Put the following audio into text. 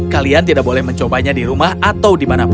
kalian tidak boleh mencobanya di rumah atau dimanapun